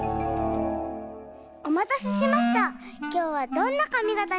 おまたせしました。